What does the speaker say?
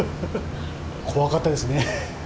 怖かったですね。